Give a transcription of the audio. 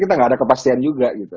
kita nggak ada kepastian juga gitu